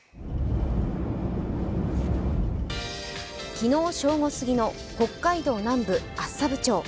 昨日正午すぎの北海道南部厚沢部町。